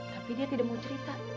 tapi dia tidak mau cerita